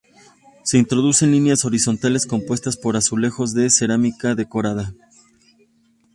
Se introducen líneas horizontales compuestas por azulejos de cerámica decorada.